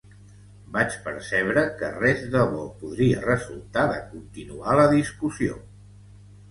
Vaig percebre que res de bo podria resultar de continuar la discussió.